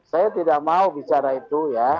saya tidak mau bicara itu ya